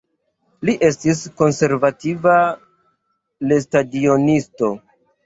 Li estis konservativa lestadionisto.